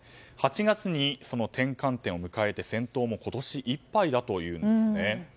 ８月にその転換点を迎えて戦闘も今年いっぱいだというのです。